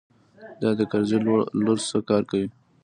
دا د کرزي لور څه کار کوي.